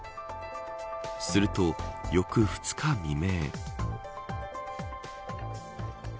すると、翌２日未明。